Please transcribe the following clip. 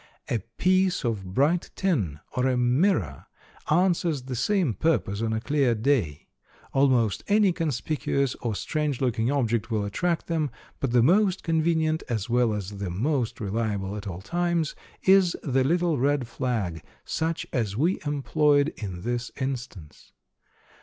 A piece of bright tin or a mirror answers the same purpose on a clear day. Almost any conspicuous or strange looking object will attract them, but the most convenient, as well as the most reliable at all times, is the little red flag, such as we employed in this instance.